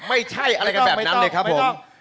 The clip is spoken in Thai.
ไม่ใช่อะไรกันแบบนั้นเลยครับผม